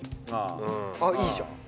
あっいいじゃん。